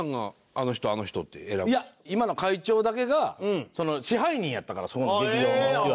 いや今の会長だけが支配人やったからその劇場のいわば。